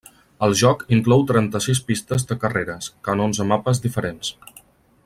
El joc inclou trenta-sis pistes de carreres, que en onze mapes diferents.